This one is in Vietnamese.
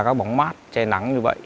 các bóng mát che nắng như vậy